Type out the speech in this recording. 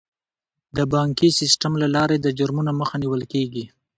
د بانکي سیستم له لارې د جرمونو مخه نیول کیږي.